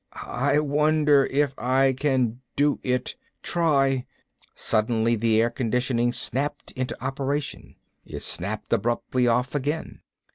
I wonder if I can do it. Try...." Suddenly the air conditioning snapped into operation. It snapped abruptly off again.